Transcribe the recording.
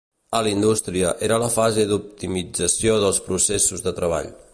A l'industria, era la fase d'optimització dels processos de treball.